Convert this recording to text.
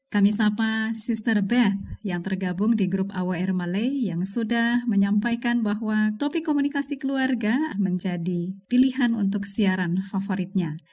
kami sapa sister beth yang tergabung di grup awr malay yang sudah menyampaikan bahwa topik komunikasi keluarga menjadi pilihan untuk siaran favoritnya